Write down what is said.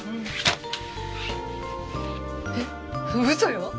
えっ嘘よ。